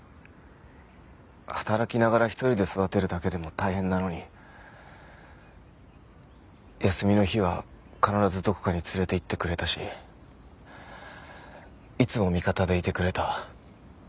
働きながら一人で育てるだけでも大変なのに休みの日は必ずどこかに連れていってくれたしいつも味方でいてくれた。